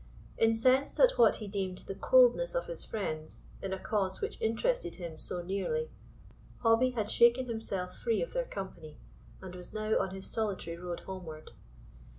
Incensed at what he deemed the coldness of his friends, in a cause which interested him so nearly, Hobbie had shaken himself free of their company, and was now on his solitary road homeward.